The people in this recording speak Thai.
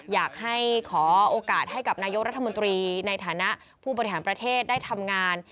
อยากให้ขอโอกาสให้กับนายกรัฐมนตรีในฐานะผู้บริหารประเทศได้ทำงาน